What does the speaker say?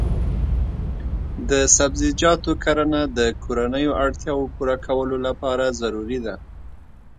د سبزیجاتو کرنه د کورنیو اړتیاوو پوره کولو لپاره ضروري ده.